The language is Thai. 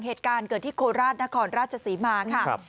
เหตุการณ์เกิดที่โคราชนครราชศรีมาค่ะ